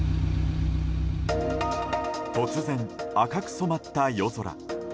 突然、赤く染まった夜空。